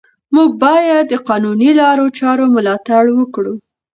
موږ باید د قانوني لارو چارو ملاتړ وکړو